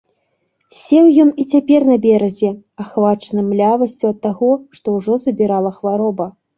Сеў ён і цяпер на беразе, ахвачаны млявасцю ад таго, што ўжо забірала хвароба.